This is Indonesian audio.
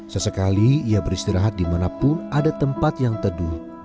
sesekali ia beristirahat dimanapun ada tempat yang teduh